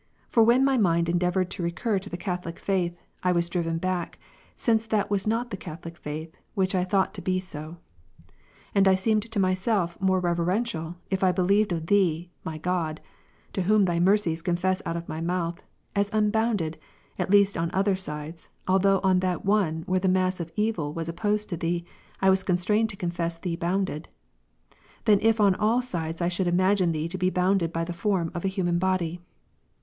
For when my mind endeavoured to recur to the Catholic faith, I was driven back, since that was not the Catholic faith, which I thought to be so. And I seemed to myself more reverential, if I be lieved of Thee, my God, (to whom Thy mercies confess out of my mouth,) as unbounded, at least on other sides, although on that one where the mass of evil was opposed to Thee, I was constrained to confess Thee bounded^; than if on all sides I should imagine Thee to be bounded by the form of a human body.